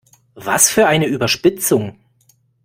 Was für eine Überspitzung!